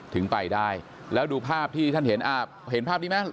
ถึงไปได้แล้วดูภาพที่ท่านเห็นอ่าเห็นภาพนี้ไหม